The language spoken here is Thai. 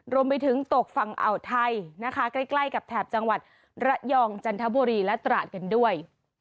รวมไปถึงตกฝั่งอ่าวไทยนะคะใกล้กับแถบจังหวัดระยองจันทบุรีและตราดกันด้วย